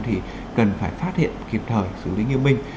thì cần phải phát hiện kịp thời xử lý nghiêm minh